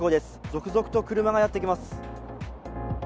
続々と車がやってきます。